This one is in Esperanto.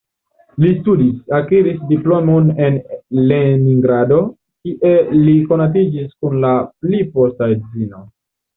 Li studis, akiris diplomon en Leningrado, kie li konatiĝis kun la pli posta edzino.